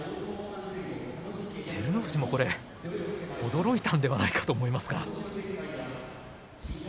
照ノ富士もこれは驚いたんではないかと思いますが。